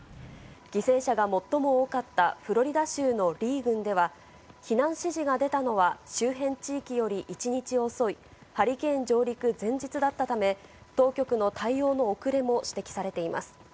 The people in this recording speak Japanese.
犠牲者が最も多かったフロリダ州のリー郡では、避難指示が出たのは、周辺地域より１日遅いハリケーン上陸前日だったため、当局の対応の遅れも指摘されています。